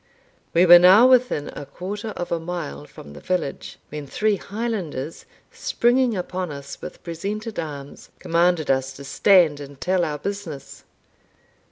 We were now within a quarter of a mile from the village, when three Highlanders, springing upon us with presented arms, commanded us to stand and tell our business.